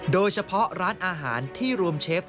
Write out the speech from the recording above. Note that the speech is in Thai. โดยเฉพาะร้านอาหารที่รวมเชฟ